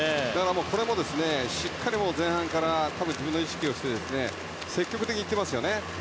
これもしっかり前半から自分の意識をして積極的に行きますよね。